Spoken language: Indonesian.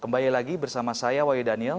kembali lagi bersama saya wayu daniel